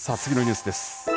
次のニュースです。